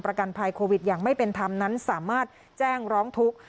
ประกันภัยโควิดอย่างไม่เป็นธรรมนั้นสามารถแจ้งร้องทุกข์